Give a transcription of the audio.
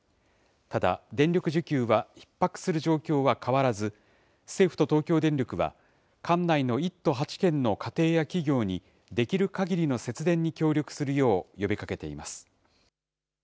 ただ、電力需給はひっ迫する状況は変わらず、政府と東京電力は、管内の１都８県の家庭や企業に、できるかぎりの節電に協力するよう呼びかけています。